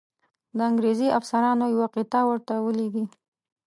د انګرېزي افسرانو یوه قطعه ورته ولیږي.